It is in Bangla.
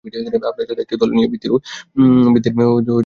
আপনার সাথে একটি দল নিয়ে ভিত্তির কাজ করেন।